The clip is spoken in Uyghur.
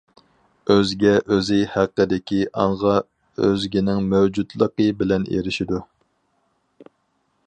ئۆزگە ئۆزى ھەققىدىكى ئاڭغا ئۆزگىنىڭ مەۋجۇتلۇقى بىلەن ئېرىشىدۇ.